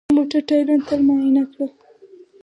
د موټر ټایرونه تل معاینه کړه.